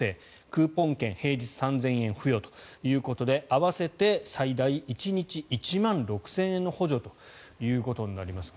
クーポン券平日３０００円付与ということで合わせて最大１日１万６０００円の補助ということになります。